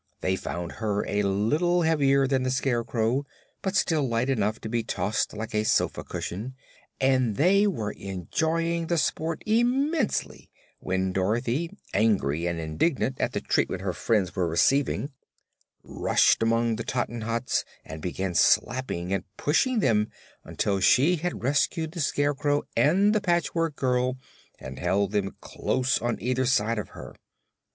They found her a little heavier than the Scarecrow but still light enough to be tossed like a sofa cushion, and they were enjoying the sport immensely when Dorothy, angry and indignant at the treatment her friends were receiving, rushed among the Tottenhots and began slapping and pushing them until she had rescued the Scarecrow and the Patchwork Girl and held them close on either side of her.